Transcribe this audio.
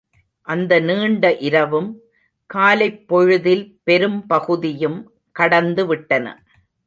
அந்த நீண்ட இரவும், காலைப் பொழுதில் பெரும் பகுதியும் கடந்து விட்டன.